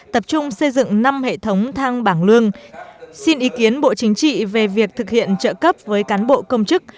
tập trung xây dựng năm hệ thống thang bảng lương xin ý kiến bộ chính trị về việc thực hiện trợ cấp với cán bộ công chức